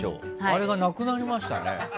あれがなくなりましたね。